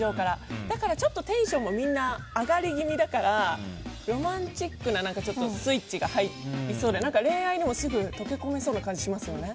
だから、ちょっとテンションもみんな上がり気味だからロマンチックなスイッチが入りそうで恋愛にもすぐ溶け込めそうな気がしますよね。